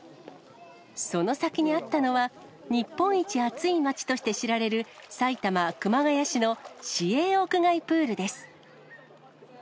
その先にあったのは、日本一暑い町として知られる、埼玉・熊谷市の市営屋外プールです。